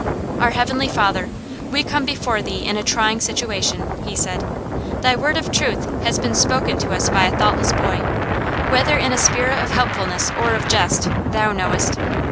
"Our Heavenly Father, we come before Thee in a trying situation," he said. "Thy word of truth has been spoken to us by a thoughtless boy, whether in a spirit of helpfulness or of jest, Thou knowest.